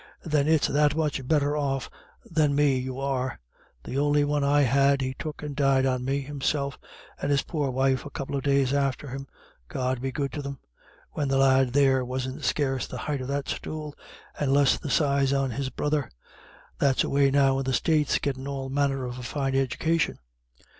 "Then it's that much better off than me you are. The only one I had, he took and died on me, himself, and his poor wife a couple of days after him God be good to them when the lad there wasn't scarce the height of that stool, and a less size on his brother, that's away now in the States gettin' all manner of a fine edication.